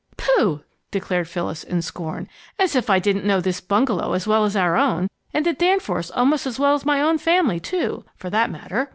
"Pooh!" declared Phyllis, in scorn. "As if I didn't know this bungalow as well as our own, and the Danforths almost as well as my own family, too, for that matter.